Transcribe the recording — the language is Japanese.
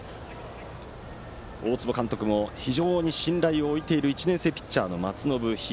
大坪監督も非常に信頼を置いている１年生ピッチャーの松延響。